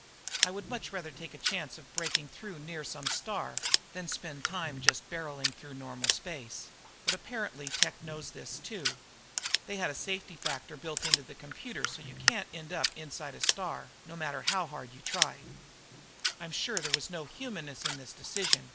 I would much rather take a chance of breaking through near some star than spend time just barreling through normal space, but apparently Tech knows this, too. They had a safety factor built into the computer so you couldn't end up inside a star no matter how hard you tried. I'm sure there was no humaneness in this decision.